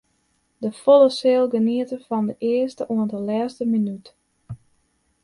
De folle seal geniete fan de earste oant de lêste minút.